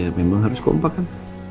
ya memang harus kompak kan